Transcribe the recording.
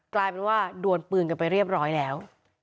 กลายเป็นว่าดวนปืนกันไปเรียบร้อยแล้ว